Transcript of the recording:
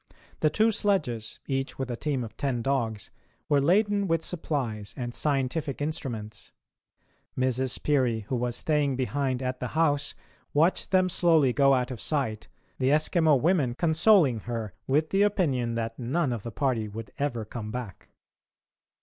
The two sledges, each with a team of ten dogs, were laden with supplies and scientific instruments. Mrs. Peary, who was staying behind at the house, watched them slowly go out of sight, the Eskimo women consoling her with the opinion that none of the party would ever come back.